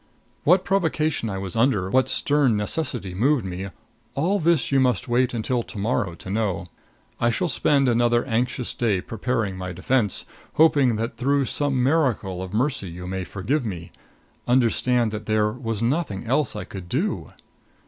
What provocation I was under, what stern necessity moved me all this you must wait until to morrow to know. I shall spend another anxious day preparing my defense, hoping that through some miracle of mercy you may forgive me understand that there was nothing else I could do.